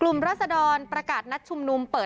ลุกไล่ผลิตการณธรรมนีบรัฐบาลช่วงเย็นวันพรุ่งนี้